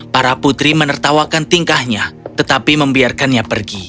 para putri menertawakan tingkahnya tetapi membiarkannya pergi